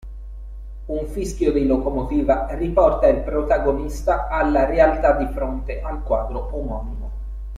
Un fischio di locomotiva riporta il protagonista alla realtà di fronte al quadro omonimo.